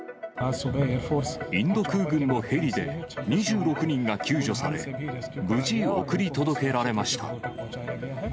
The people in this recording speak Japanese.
インド空軍のヘリで、２６人が救助され、無事送り届けられました。